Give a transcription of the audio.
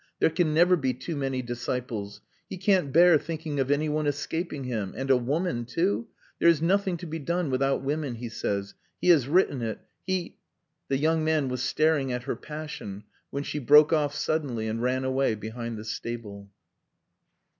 There can never be too many disciples. He can't bear thinking of anyone escaping him. And a woman, too! There is nothing to be done without women, he says. He has written it. He " The young man was staring at her passion when she broke off suddenly and ran away behind the stable.